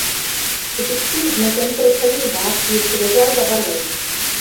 Typickým znakem pro celý řád je světlé zabarvení.